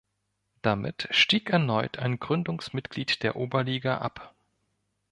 Damit stieg erneut ein Gründungsmitglied der Oberliga ab.